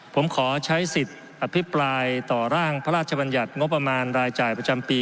ผมขอใช้สิทธิ์อภิปรายต่อร่างพระราชบัญญัติงบประมาณรายจ่ายประจำปี